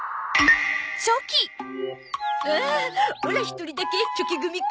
あオラ１人だけチョキ組か。